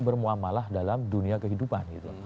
bermuamalah dalam dunia kehidupan